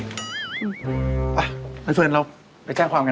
ขอบคุณหน้าที่เราไปจ้างความกันไป